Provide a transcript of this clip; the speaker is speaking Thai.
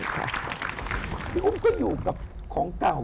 พี่อุ้มก็อยู่กับของเก่า